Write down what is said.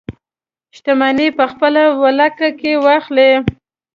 شتمنۍ په خپله ولکه کې واخلي.